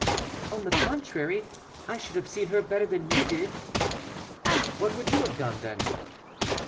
"On the contrary, I should have seen her better than you did." "What would you have done then?"